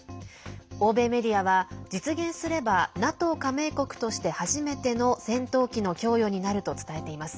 欧米メディアは、実現すればＮＡＴＯ加盟国として初めての戦闘機の供与になると伝えています。